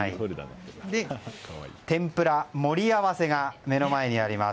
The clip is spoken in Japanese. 天ぷら盛り合わせが目の前にあります。